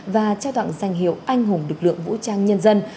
và trao tặng danh hiệu anh hùng lực lượng vũ trang nhân dân